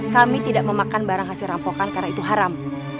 kami tidak memakan barang hasil rampokan karena itu haram